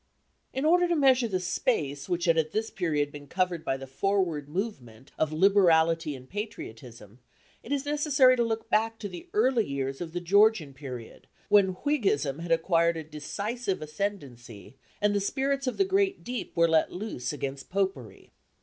In order to measure the space which had at this period been covered by the forward movement of liberality and patriotism, it is necessary to look back to the early years of the Georgian period, when Whiggism had acquired a decisive ascendency, and the spirits of the great deep were let loose against Popery.